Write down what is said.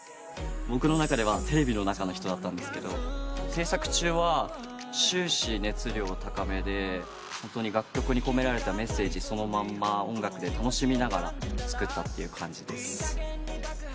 僕の中ではテレビの中の人だったんですが制作中は終始熱量高めでホントに楽曲に込められたメッセージそのまんま音楽で楽しみながら作ったって感じです。